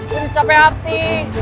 jadi capek hati